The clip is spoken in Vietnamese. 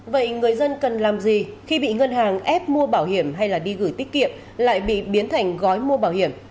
vậy người dân cần làm gì khi bị ngân hàng ép mua bảo hiểm hay đi gửi tiết kiệm lại bị biến thành gói mua bảo hiểm